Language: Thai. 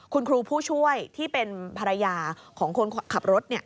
คุณครูผู้ช่วยที่เป็นภรรยาของคนขับรถ